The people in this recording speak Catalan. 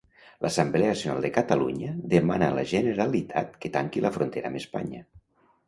L'Assamble Nacional de Catalunya demana a la Generalitat que tanqui la frontera amb Espanya.